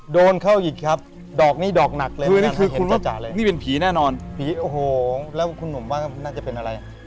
โดนเข้าอีกครับดอกนี้ดอกหนักเลยนี่เป็นผีแน่นอนแล้วคุณหนุ่มว่าน่าจะเป็นอะไร